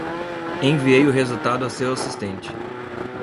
Enviei o resultado a seu assistente.